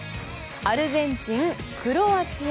アルゼンチン、クロアチア